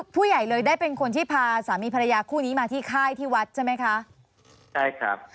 ผู้ใหญ่เลยได้เป็นคนที่พาสามีภรรยาคู่นี้มาที่ค่ายที่วัดใช่ไหมคะใช่ครับ